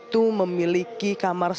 siapa yang bisa menjadi kamar santri